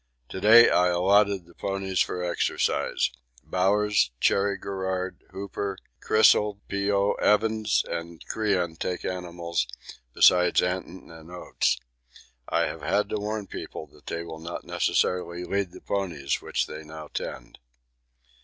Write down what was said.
To day I allotted the ponies for exercise. Bowers, Cherry Garrard, Hooper, Clissold, P.O. Evans, and Crean take animals, besides Anton and Oates. I have had to warn people that they will not necessarily lead the ponies which they now tend.